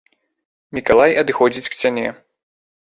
Мікалай адыходзіць к сцяне.